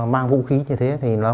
mang vũ khí như thế